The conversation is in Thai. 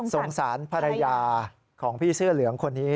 สงสารภรรยาของพี่เสื้อเหลืองคนนี้